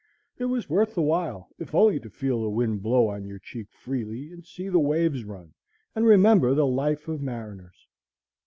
It was worth the while, if only to feel the wind blow on your cheek freely, and see the waves run, and remember the life of mariners.